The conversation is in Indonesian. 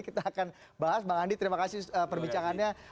kita akan bahas bang andi terima kasih perbincangannya